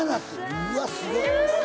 うわ、すごい。